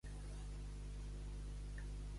Si resar veus en Bernat, penses que és en veritat?